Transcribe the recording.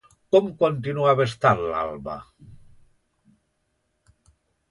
Com continuava estant l'Alba?